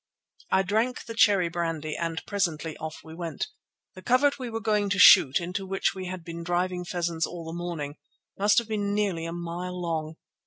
I drank the cherry brandy, and presently off we went. The covert we were going to shoot, into which we had been driving pheasants all the morning, must have been nearly a mile long.